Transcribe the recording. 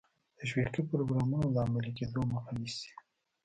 تشویقي پروګرامونو د عملي کېدو مخه نیسي.